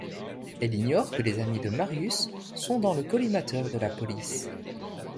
Elle ignore que les amis de Marius sont dans le collimateur de la police.